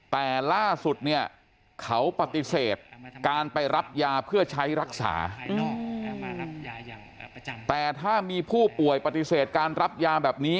แต่ล่าสุดเนี่ยเขาปฏิเสธการไปรับยาเพื่อใช้รักษาแต่ถ้ามีผู้ป่วยปฏิเสธการรับยาแบบนี้